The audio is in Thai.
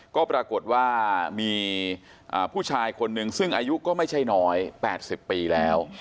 ก็ปรากฏว่ามีผู้ชายคนหนึ่งซึ่งอายุก็ไม่ใช่น้อย๘๐ปีแล้ว